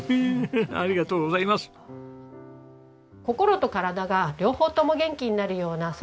心と体が両方とも元気になるような